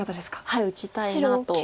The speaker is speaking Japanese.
はい打ちたいなと。